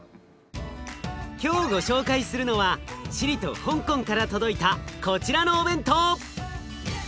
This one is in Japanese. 今日ご紹介するのはチリと香港から届いたこちらのお弁当！